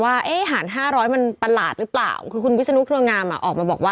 อ่าอ่าอ่าอ่าอ่าอ่าอ่าอ่าอ่า